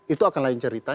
itu akan lain ceritanya